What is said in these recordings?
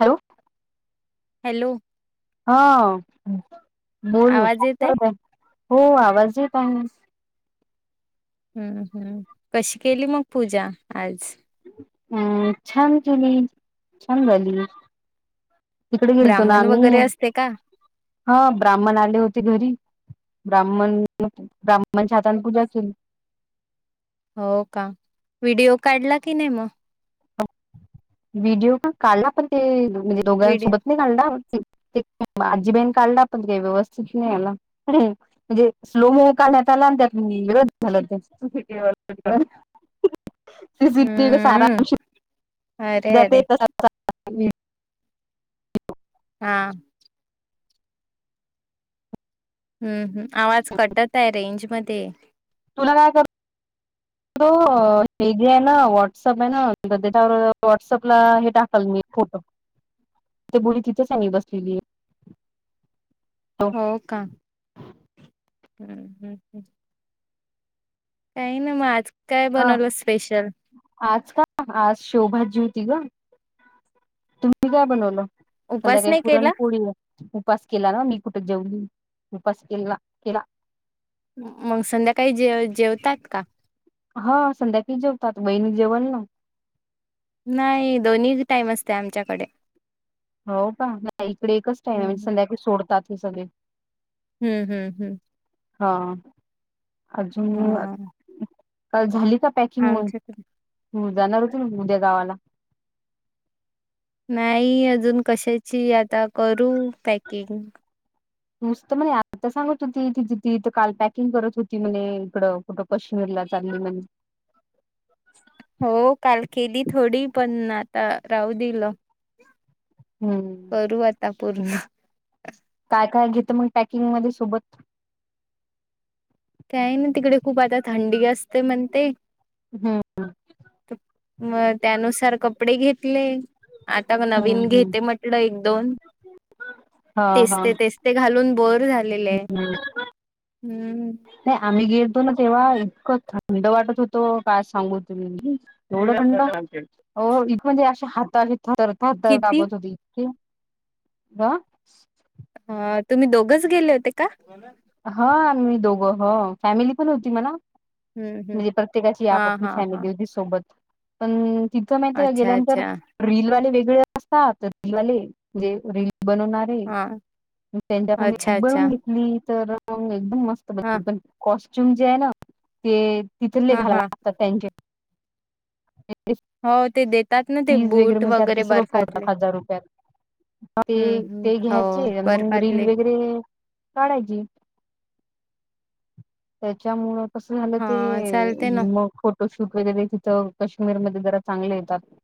Hello hello हा बोल आवाज येत आहे हो आवाज येत आहे हम्म हम्म कशी केली मग पूजा आज अम् छान तुम्ही छान झाली तिकडे गेलतो ना ब्राह्मण वगैरे आम्ही असते का हा ब्राह्मण आले होते घरी ब्राह्मण ब्राह्मणच्या हाताने पूजा असली हो का व्हिडिओ काढला की नाही मग व्हिडिओ पण काढला पण ते म्हणजे व्हिडिओ दोघांसोबत नाही काढलला ते आजी बाई काढला आपण का व्यवस्थित नाही झाला म्हणजे स्लोमो काढला त्यात विरोध झाला [unintelligible] हम्म अरे [inaudible] अरे [unintelligible] हा हम्म हम् आवाज कट होत आहे रेंज मध्ये ये तुला काय कर तो हे जे आहे ना व्हॉट्सअप आहे त्याच्यावर व्हॉटसअपला हे टाकाल मी फोटो [inaudible] हो का हम्म हम् हम् काही ना मग आज काय हा बनवलं स्पेशल आज का आज शोभाआजी होती ग तुम्ही काय बनवलं उपास संध्याकाळी नाही केला पुरणपोळी उपवास केला ना मी कुठे जेवली उपवास केला केला मग संध्याकाळी जे जेवतात का हा संध्याकाळी जेवतात वहिनी जेवेल ना नाही दोन्ही टाईम असते आमच्याकडे हो का नाही इकडे एकच टाम आहे हम्म म्हणजे संध्याकाळी सोडतात हे सगळे हम्म हम्म हम्म हा अजून हा काल झाली पॅकिंग आमच्याकडे मग जाणार होत ना उद्या गावाला नाही अजून कशाची आता करू पॅकिंग नुसतं म्हणे आता सांगत होती त तथ काल पॅकिंग करत होती म्ह इकडं कोटं कशी म्ह चाले [unintelligible] हो काल केली थोडी पण आता राहू दिलं हम्म करू आता पूर्ण घ म टॅकंग सत काय ना तिकडे खूप आता थंडी असते म्हण ते हम्म मग त्यानुसार कपडे घेतले आटक हम्म नवीन हम्म घेते म्हटलं एक दोन हा हा तेचते तेचते घालून बर झालेलं आहे हम्म हम्म नाही आम्ही गेलतो ना तेव्हा इतकं थंड वाटत होतो का सांगू तम्ही एवढं ं हो इथ म्हणजे अशा हात र दर किती काबत होती इके ब अ तुम्ही दोघच गेले होते का? हा मी दोघं हो फॅमिली पण होती म्हणा. हम्म हम्म म्हणजे प्रत्येकाची हा आपपली हा हा फॅमिली सोबत. पण तिथं माहिती अच्छा गेल्यानंतर अच्छा रीलवाले वेग, [inaudible] बनवणारे हा त्यांच्याक मी अच्छा अच्छा बनवून घेतली तर. मस्त हा बल पण कॉस्ट्यूम जे आहे ना ते तिथरले हा घालाय हा लागतात त्यांचे. [unintelligible] हो ते देतात ना ते फीज बूट मग त्यात ते वगैरे सगळं करतात बर्फातले. हजार रुपयात ते हम्म ते हम्म हो घ्यायचे मग रीलील बर्फातले वगैरे. काढायची. त्याच्यामुळ कस झालं ते हा चालते ना मग फोटोशूट वगैरे तिथ कश्मीर काशमीरमध्येध् जरा चांगले येतात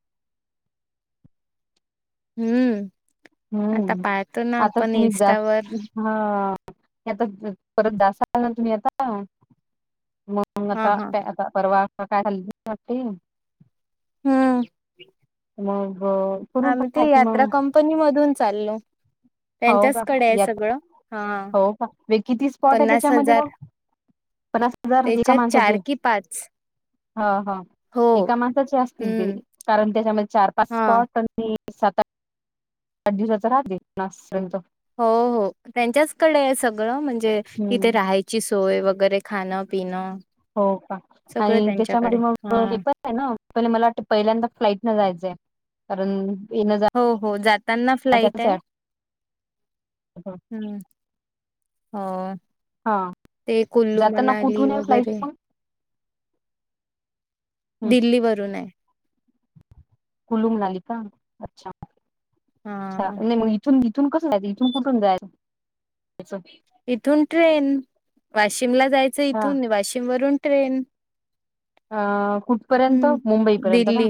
हम्म आता हम्म पाहतो ना आता आपण तुम्ही जाच इन्स्टावर हां आता परत जासाआल ना तुम्ही आता? मग हा आता हा आता परवा काय हल्लीते. हम्म करून आम्ही पहा ते की यात्रा मग कंपनी मधून चाललो. हो का त्यांच्याचकडे आहे यात सगळं हा हो का किती स्पॉट आहे पन्नास त्याच्यामध्ये हजार ब पन्नास हजार एका त्याच्यात चार माणसाचे? कि पाच ह हा हो एका माणसाचे असतील ते हम्म कारण त्याच्यामध्ये चार पाच हा स्पॉट [unintelligible] सात आठ आठ दिवसाचा राहते नापर्यंत. हो हो त्यांच्याचकडे आहे सगळं म्हणजे इिथे हम्म राहायची सोय वगैर. वगैरे खान पिन. हो का आणि त्याच्यामध्ये मग हा हेपण आहे ना प मला वाटतें पहिल्यांदा फ्लाइट न जायचंय. कारण येणं जाणं हो हो जाताना फ्लाईट आहे. ह हा ते कुल्लू जाताना मनाली कुठून आहे फ्लाईट वगैरे. मग दिल्ली वरून आहे. कुलू मणाली का अच्छा हा नाही मग इथून इथून कसं जायच इथून कुठून जायच इथून ट्रेन वाशिमला जायचं अच्छा इथून वाशिम वरून ट्रे अं कुठपर्यंत हम्म मुंबईपर्यंत का? दिल्ली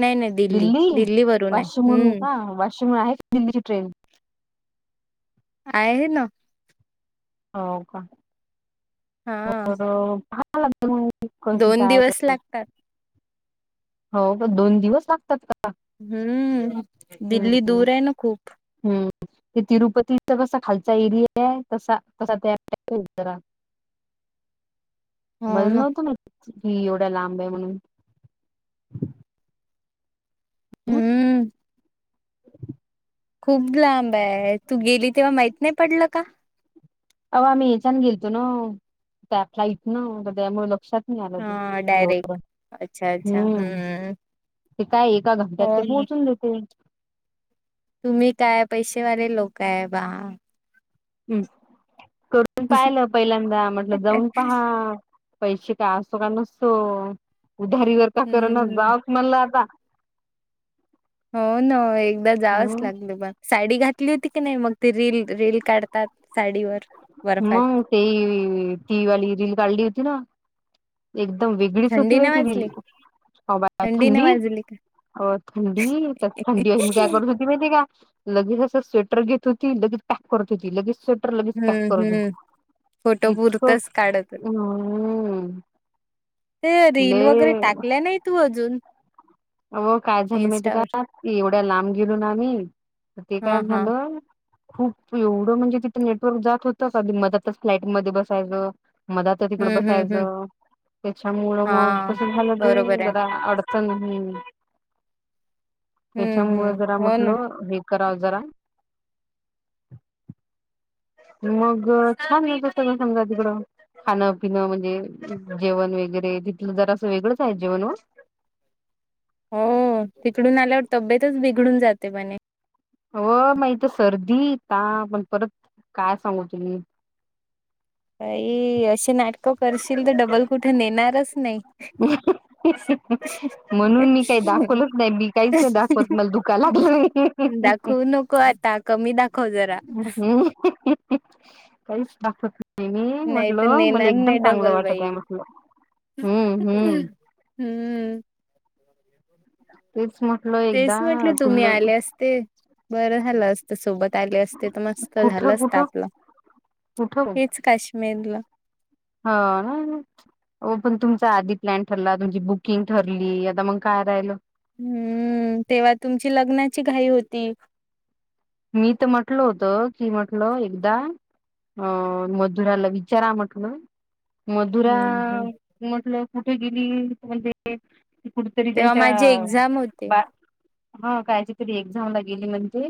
नाही नाही दिल्ली वरून आहे वाशिम वरुन हम्म का. [unintelligible] आहे दिल्ली ट्रेन आहे ना. हो का हा [unintelligible] मग कशी दोन काय तर. दिवस लागतात. हो दोन दिवस लागतात का? हम्म दिल्ली हम्म दूर आहे ना खूप. हम्म ते तिरुपतीचा कसा खालचा एरिया आहे तसा तसा त्या [unintelligible] [inaudible] हो मला ना नव्हतं माहित कि एवढ्या लांब आहे म्हणून. हम्म [inaudible] खूप लांब आहे तू गेली तेव्हा माहित नाही पडलं का? तवा आम्ही येचान गेलतो ना त्या फ्लाईट न त्यामुळे लक्षात नाही आलं ते हा एवढ्या लांब डायरेक्ट अच्छा अच्छा हम्म ते काय एका घंट्यात ते हो पोहोचून देतील. तुम्ही काय पैसेवाले लोक आहे बा. हम्म करून पाहिलं पहिल्यांदा म्हटल जाऊन पहा. पैसे काय असतो का नसतो उधारीवर का करन हम्म जाव म्हणल आता. हो ना एकदा जावंच हम् लागत पण साडी घातली तरी होती की नाही मग ते रील रील काढतात साडीवर. बर्फात मग ते ती वाली रील काढली होती ना एकदम वेगळीच होती थंडी बाई नाही ती रील-. वाजली ह बा नाही थंडी वाजली का थंडी तर थंडी आहे मी काय करत होती माहिती आहे का? लगेच असं स्वेटर घेत होती लगेच पॅक करत होती लगेच स्ट लगेच पॅक हम्म करत हम्म फोटो होती इतक पुरतच काढत हम्म.. ते रील लय वगैरे टाकल्या नाही तू अजून. अ हो काय झालं माहिती का इन्स्टावर एवढ्या लांब गेलो ना आम्ही तर ते काय हा हा झाल? खूप एवढं म्हणजे तिथं नेटवर्क जात होतं का कधी मध्येच फ्लॅटमध्ये बसायचं-. मला तर तिकड हम्म हम्म हम्म बसायचं त्याच्यामुळ मग हा कस झालं की बरोबर आहे जरा अडचण [unintelligible] हम्म त्याच्यामुळ हम्म जरा हो म्हटल.. ना कराव जरा मग छान मिळत सगळ समजा तिकडं. खाणं पिणं म्हणजे जेवण वगैरे तिथलं जरा अस वेगळंच आहे जेवण ओ. हो तिकडून आल्यावर तब्येतच बिघडून जाते म्हणे. हो म इथ सर्दी ताप अन् परत काय सांगू तुले. काई असे नाटकं करशील तर डबल कुठे नेणारच नाही. रिकामा ऑडिओ म्हणून मी काही दाखवलच नाही मी काहीच नाही दाखवत मग दुखाया लागलं रिकामा दाखवू नको आता कमी दाखव जरा ऑडिओ नाही मी नाही तर म्हटलं मला नेणार एकदम नाही चांगलं डबल वाटत बाई आहे म्हटलं हम्म हम्म. हम्म. रिकामा ऑडिओ तेच म्हटलं तुम्ही आले असते बरं झालं असत सोबत. आले असते तर मस्त झालं कुठं असत कुठं आपलं कुठं हेच काश्मीरला. हा ना. हो पण तुमचा आधी प्लॅन ठरला तुमची बुकिंग ठरली आता मग काय राहिलं? हम्म तेव्हा तुमची लग्नाची घाई होती. मी तर म्हटल होत कि म्हटल एकदा अ मधुराला विचारा म्हटलं. मधुरा हम्म हम्म म्हटलं कुठे गेली म्हणजे क कुठतरी तेव्हा त्यांच्या माझी एक्झाम होते बा हा कायची तरी एक्झामला गेली म्हणजे...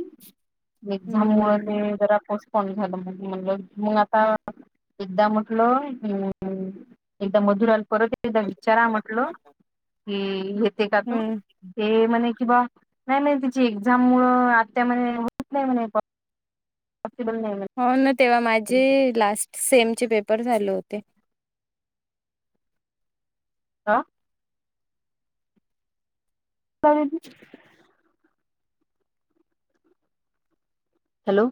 एक्झाम मुळ हम्म ते जरा आपो फोन झाला म्ह मग आता [unintelligible] एक दा [unintelligible] परत एकदा विचारा म्हटल की घेते का तू हम्म ते म्हणे. किं बा नाही म्ह तिची एक्झाम मुळ आत्या म्हने होत नाही म्हने प पॉसिबल नाही मि. हो ना तेव्हा माझे लास्ट सेम चे पेपर झाले होते. आ. काय म्हणती.? हॅलो.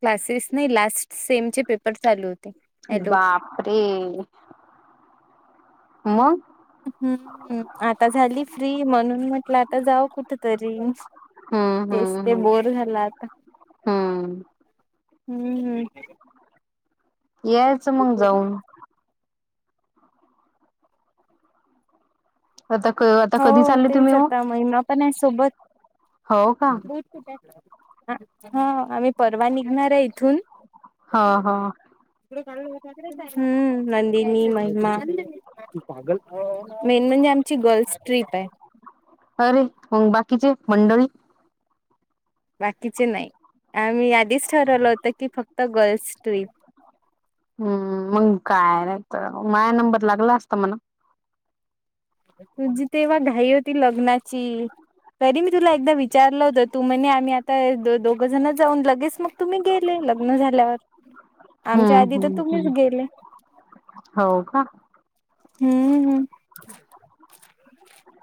क्लासेस नाही लास्ट. सेमचे पेपर चालू होते हॅलो. बापरे हम्. हम्म आता झाली फ्री म्हणून म्हटलं आता जाऊ कुठ तरी. हम्म तेच हम्म ते हम्म बोर झाला आता. हम्म हम्म हम्म. यायचं मग जाऊन. आता आता हो कधी चालले तेच तुम्ही मग आता महिमा पण आहे सोबत. हो का हा आम्ही परवा निघणार आहे इथून. हा हा. हम्म नंदिनी महिमा म्ह आमची गर्ल्स ट्रीप आहे. अरे मग बाकीचे मंडळी. बाकीचे नाही आम्ही आधीच ठरवलं होतं की फक्त गर्ल्स ट्रीप. हम्म मंग काय र तर माया नंबर लागला असता मणा. तुझी तेव्हा घाई होती लग्नाची. तरी मी तुला एकदा विचारलं होतं तू म्हणे आम्ही आता दोघ जण जाऊन लगेच मग तुम्ही गेले लग्न झाल्यावर आमच्या हम्म आधी तर हम्म तुम्हीच हम्म गेले. हो का. हम्म हम्म.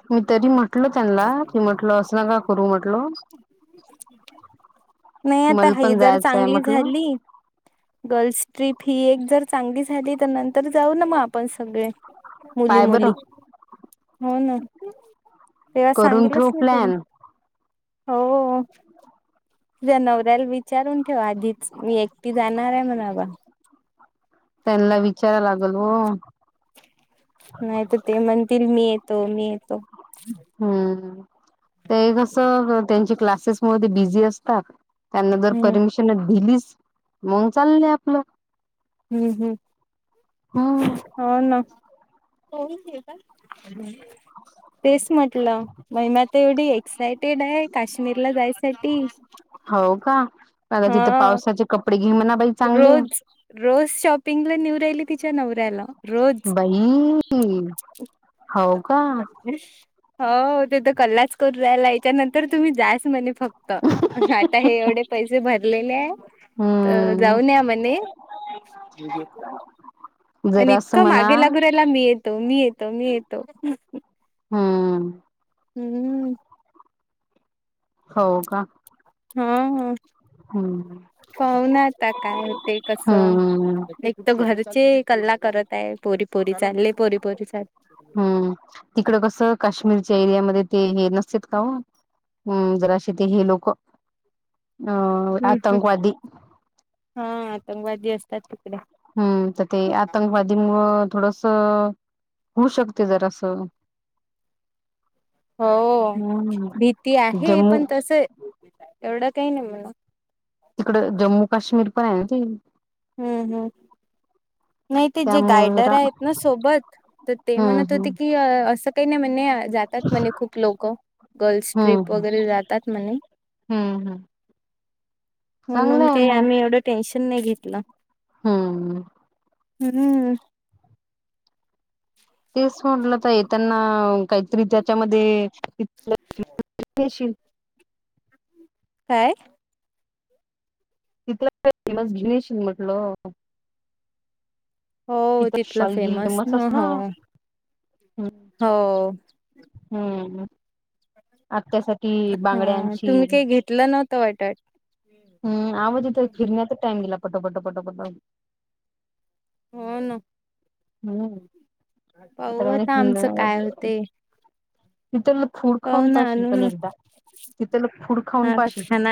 मी तरी म्ह म्हटल त्यांना की म्हटल असं ना का करू म्हटल. नाही आता ही जर चांगली झाली गल्स ट्रीप ही एक जर चांगली झाली तर नंतर जाऊ ना मग आपण सगळे मुली पाय मुली बरं हो ना. तेव्हा करून सांगलच ठेव मी तुला प्लॅन हो. तझ्या नवऱ्याला विचारून ठेव आधीच मी एकटी जाणार आहे म्हणा बाबा. त्यांना विचारा लागल व. नाही तर ते म्हणतील मी येतो मी येतो. हम्म ते कस त्यांची क्लासेस मध्ये बिझी असतात. त्यांना जर हम्म परमिशन दिलीच मन चाललंय आपलं. हम्म हम् हम्म हो ना. हो का [unintelligible] तेच म्हटलं महिमा तेव्हडी एक्सायटेड आहे काश्मीरला जायच हो का कदा तिथे हा पावसाचे कपडे घे म्हणा बाई चांगले रोज रोज शॉपिंगला निवराहिली तिच्या नवऱ्याला. रोज. बाई हो का हो तेथ कल्लाच करू रायला याच्या नंतर तुम्ही जास म्हणे. फक्त आता हे एवढे पैसे भरलेले आहे. तर हम्म जाऊन या म्हणे आणि जरा असं इतकं म्हणा मागे लागरायला मी येतो मी येतो मी येतो हम्म हम्म हो का हा ह हम्म पाऊ ना आता काय होते कस हम्म एक तर घर जे कल्ला करत आहे पोरी पोरी चालले पोरी पोरी चाल हम्म तिकड कसं काश्मीर च्या एरियामध्ये ते नसत का जराशी ते हे लोक अ हम्म हम्म आतंकवादी ज असतात तिकडे हम्म त ते आतंकवादी मु थोडस होऊ शकते जर असं हो भीती आहे जम्मू पण तस एवढं काही नाही म्हणा तिकड जम्मू काश्मीर पण आहे ना ती हम्म हम्म नाही ते जे त्यामुळे गायडर जरा आहेत ना सोबत तर ते हम्म म्हणत हम्म होते की असं काही नाही म्हणे जातात म्हणे खूप लोक गर्ल्स ट्रिप हम्म वगैरे जातात म्हणे [inaudible] हम्म हम्म चांगलं म्हणून आहे काही मग आम्ही एवढं टेन्शन नाही घेतलं हम्म हम्म तेच म्हटलं तर ये त्यांना काहीतरी त्याच्यामध्ये काय तिथ का फेमस गिनीश म्हटल हो तिथं तिथलं फेमस शलगिमचस ना हो हो हम्म अ त्यासाठी हा बांगड्यांची तुम्ही काही घेतलं नव्हतं वाटत हम् आवाज यथ फिरण्याचा टाइम गेला पटोपटो पटोपटो होन हम्म आताणी आता आमचं काय सुंदर होते तिथ ल फूड पाहू खाऊन ना पाशेील आणू पण ना एकदा तिथे ल फूड खाऊन आता पाशील खाना